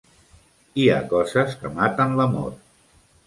Hi ha coses que maten l'amor.